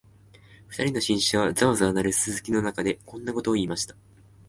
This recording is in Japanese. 二人の紳士は、ざわざわ鳴るすすきの中で、こんなことを言いました